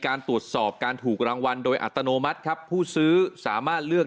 การตรวจสอบการถูกรางวัลโดยอัตโนมัติครับผู้ซื้อสามารถเลือก